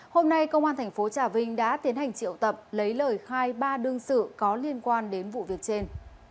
hôm nay công an tp trà vinh đã tiến hành triệu tập lấy lời khai ba đương sự có liên quan đến vụ việc trên